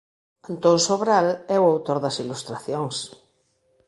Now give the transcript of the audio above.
Antón Sobral é o autor das ilustracións.